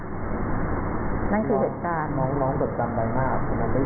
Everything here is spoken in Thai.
ที่น้องจดจำใบหน้าทำไมไม่ดี